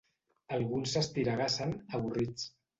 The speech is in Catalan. Alguns s'estiregassen, avorrits.